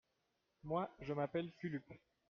Moi, je m'appelle Fulup.